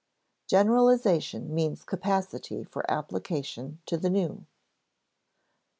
[Sidenote: Generalization means capacity for application to the new] III.